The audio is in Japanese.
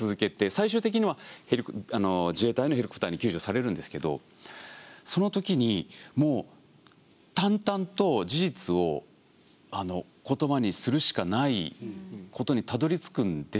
最終的には自衛隊のヘリコプターに救助されるんですけどそのときにもう淡々と事実を言葉にするしかないことにたどりつくんですが。